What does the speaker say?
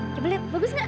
ya beli bagus gak